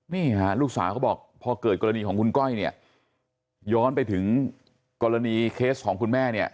นี่ฮะลูกสาวเขาบอกพอเกิดกรณีของคุณก้อยเนี่ยย้อนไปถึงกรณีเคสของคุณแม่เนี่ย